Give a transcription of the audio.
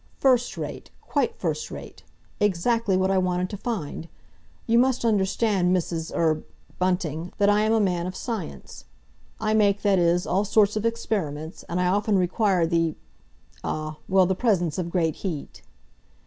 "First rate—quite first rate! Exactly what I wanted to find! You must understand, Mrs.—er—Bunting, that I am a man of science. I make, that is, all sorts of experiments, and I often require the—ah, well, the presence of great heat."